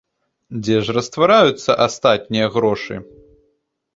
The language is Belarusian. Дзе ж раствараюцца астатнія грошы?